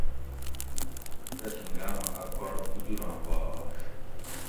تتھیں لامہ اۤ کڑ گوجوراں پا آش